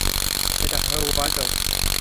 এটা হলো ওয়াল্টজ।